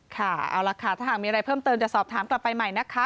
ค่ะเอาล่ะค่ะถ้าหากมีอะไรเพิ่มเติมจะสอบถามกลับไปใหม่นะคะ